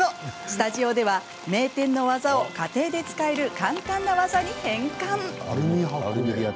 スタジオでは、名店の技を家庭で使える簡単な技に変換。